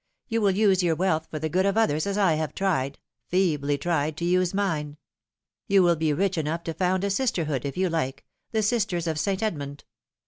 You will use your wealth for the good of others, as I have tried feebly tried to use mine. You will be rich enough to found a sisterhood, if you like the Sisters of St. Edmund.